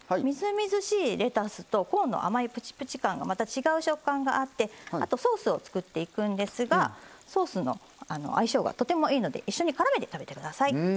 みずみずしいレタスとコーンの甘いプチプチ感がまた違う食感があってあとソースを作っていくんですがソースの相性がとてもいいので一緒にからめて食べてください。